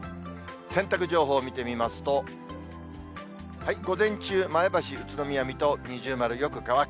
洗濯情報を見てみますと、午前中、前橋、宇都宮、水戸、二重丸、よく乾く。